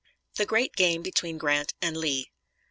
THE GREAT GAME BETWEEN GRANT AND LEE.